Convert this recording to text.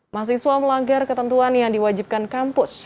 mahasiswa melanggar ketentuan yang diwajibkan kampus